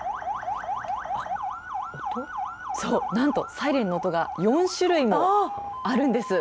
そう、なんとサイレンの音が４種類もあるんです。